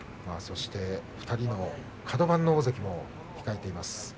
２人のカド番の大関も控えています。